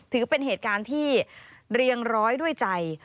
ถือเป็นเหตุการณ์ที่เรียงร้อยด้วยใจ